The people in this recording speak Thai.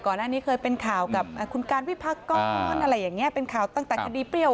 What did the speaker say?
อันนี้เคยเป็นข่าวกับคุณการวิพากรอะไรอย่างนี้เป็นข่าวตั้งแต่คดีเปรี้ยว